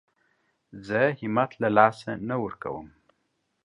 زه همت له لاسه نه ورکوم.